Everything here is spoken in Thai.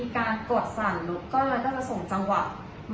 อุปกรณ์ตรงนั้นหนูได้เหลียบไว้ในส่วนตรงเอลค่ะ